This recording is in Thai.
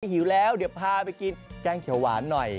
หิวแล้วเดี๋ยวพาไปกินแกงเขียวหวานหน่อย